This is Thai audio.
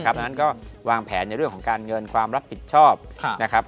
เพราะฉะนั้นก็วางแผนในเรื่องของการเงินความรับผิดชอบนะครับ